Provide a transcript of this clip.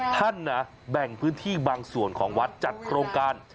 ท่านนะแบ่งพื้นที่บางส่วนของวัดจัดโครงการ